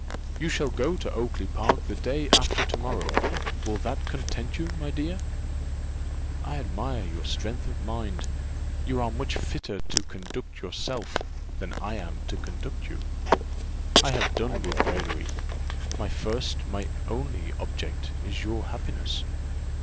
You shall go to Oakly park the day after to morrow: will that content you, my dear? I admire your strength of mind you are much fitter to conduct yourself than I am to conduct you. I have done with raillery: my first, my only object, is your happiness.